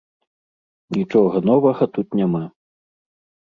Нічога новага тут няма.